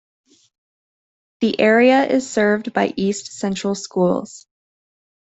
The area is served by East Central Schools.